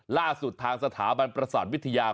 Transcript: ล่าสุดทางสถาบันประสาทวิทยา